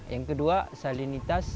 yang kedua salinitas